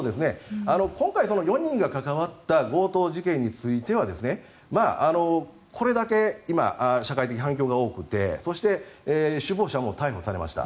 今回、４人が関わった強盗事件についてはこれだけ今、社会的反響が多くてそして首謀者も逮捕されました。